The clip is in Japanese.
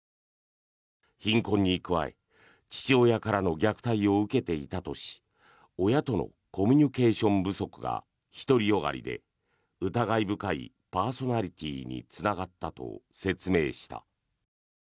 貧困に加え父親からの虐待を受けていたとし親とのコミュニケーション不足が独りよがりで疑い深いパーソナリティーにつながったと説明した。